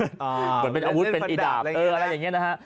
เหมือนเป็นอาวุธเป็นอีดาบอะไรอย่างนี้นะฮะ